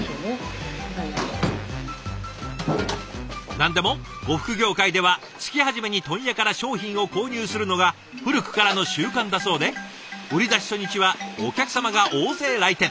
何でも呉服業界では月初めに問屋から商品を購入するのが古くからの習慣だそうで売り出し初日はお客様が大勢来店。